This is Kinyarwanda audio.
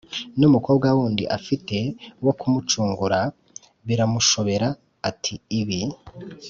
n’umukobwa wundi afite wo kumucungura. Biramushobera ati: “Ibi